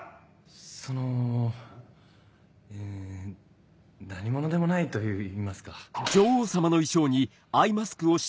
そのうん何者でもないといいますか。